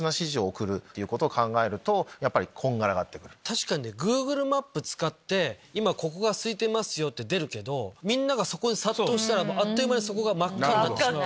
確かにねグーグルマップ使って今ここが空いてますよ！って出るけどみんながそこに殺到したらあっという間に真っ赤になる。